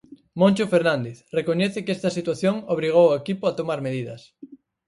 Moncho Fernández recoñece que esta situación obrigou o equipo a tomar medidas.